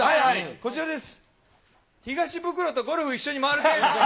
こちらです。